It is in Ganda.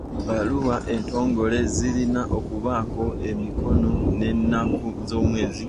Ebbaluwa entongole zirina okubaako emikono n'ennaku z'omwezi.